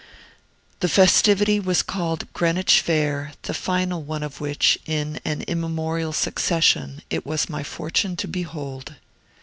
This festivity was called Greenwich Fair, the final one of which, in an immemorial succession, it was my fortune to behold.